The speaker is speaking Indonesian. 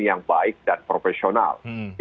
yang baik dan profesional